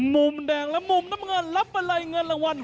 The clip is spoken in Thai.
มุมแดงและมุมน้ำเงินรับมาลัยเงินรางวัล